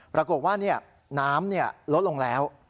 ปรากฏว่านี่น้ำเนี่ยลดลงแล้ว